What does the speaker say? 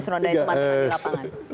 sudah punya hitungannya pak yusro